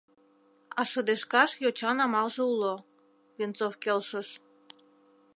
А шыдешкаш йочан амалже уло, — Венцов келшыш.